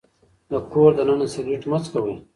د کور دننه سګرټ مه څکوئ.